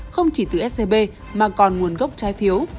không chỉ từ scb mà còn nguồn gốc trái phiếu